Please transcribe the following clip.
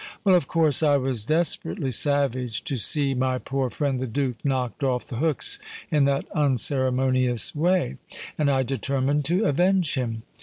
Well, of course I was desperately savage to see my poor friend the Duke knocked off the hooks in that unceremonious way; and I determined to avenge him.